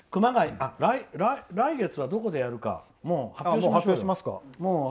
来月はどこでやるかもう発表しましょうよ。